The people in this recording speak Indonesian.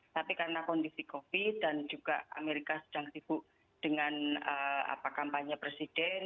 tapi karena kondisi covid dan juga amerika sedang sibuk dengan kampanye presiden